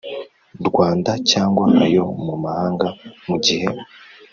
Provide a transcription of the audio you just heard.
Rwanda cyangwa ayo mu mahanga mu gihe